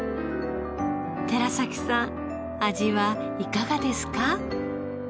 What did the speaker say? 寺崎さん味はいかがですか？